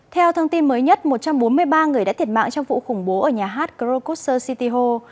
theo thông tin mới nhất một trăm bốn mươi ba người đã thiệt mạng trong vụ khủng bố ở nhà hát krokuser city ho